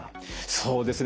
そうですね。